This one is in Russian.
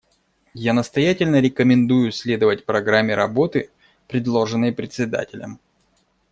Я настоятельно рекомендую следовать программе работы, предложенной Председателем.